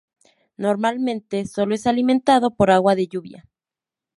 Normalmente, solo es alimentado por agua de lluvia.